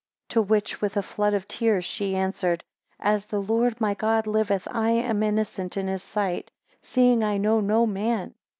11 To which with a flood of tears she answered, As the Lord my God liveth, I am innocent in his sight, seeing I know no man.